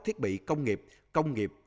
thiết bị công nghiệp công nghiệp